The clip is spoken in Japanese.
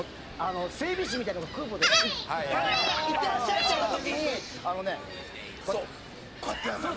整備士みたいなのが空母で「いってらっしゃい」ってやる時にあのねこうやってこうやってやるのよ。